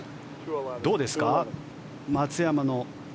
どうですか、松山の。